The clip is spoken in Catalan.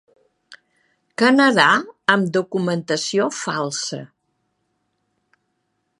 Canadà amb documentació falsa.